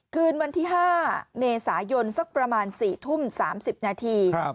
คืนวันที่๕เมษายนสักประมาณ๔ทุ่ม๓๐นาที